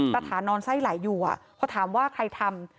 ตาถานอนไส้ไหลอยู่พอถามว่าใครทำ